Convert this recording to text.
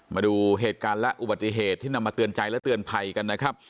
มาดูเหตุการณ์และอุบัติเหตุที่นำมาเตือนใจและเตือนภัยกันนะครับ